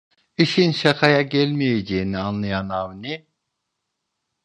İşin şakaya gelmeyeceğini anlayan Avni: